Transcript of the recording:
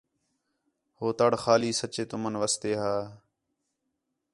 ہو تَڑ خالی سچّے تُمن واسطے ہا